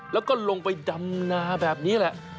แล้วก็ลงไปดำนาแบบนี้แหละ